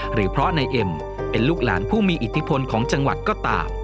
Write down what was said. หรือเพราะนายเอ็มเป็นลูกหลานผู้มีอิทธิพลของจังหวัดก็ตาม